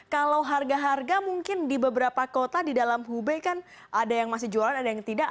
kalau harga harga mungkin di beberapa kota di dalam hubei kan ada yang masih jualan ada yang tidak